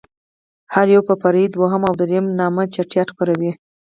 هر يو يې په فرعي دوهم او درېم نامه چټياټ خپروي.